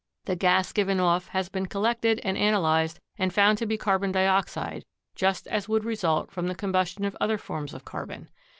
The gas given off has been collected and analyzed and found to be carbon dioxide just as would result from the combustion of other forms of carbon.